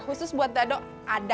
khusus buat dadok ada